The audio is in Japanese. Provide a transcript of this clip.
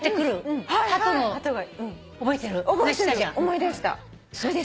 思い出した。